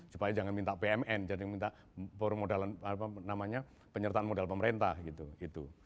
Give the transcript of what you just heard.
supaya jangan minta bumn jangan minta forum modal namanya penyertaan modal pemerintah gitu